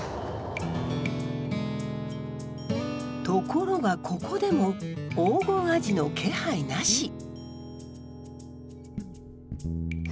ところがここでも黄金アジの気配なし。